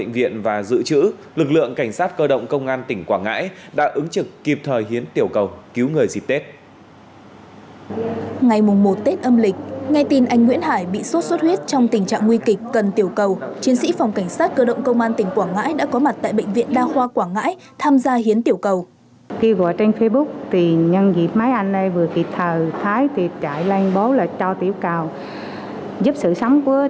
chiến sĩ phòng cảnh sát cơ động công an tỉnh quảng ngãi đã có mặt tại bệnh viện đa khoa quảng ngãi tham gia hiến tiểu cầu